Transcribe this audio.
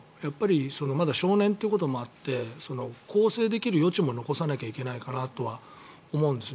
まだ少年ということもあって更生できる余地も残さなきゃいけないかなとは思うんです。